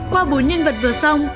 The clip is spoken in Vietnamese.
qua bốn nhân vật vừa xong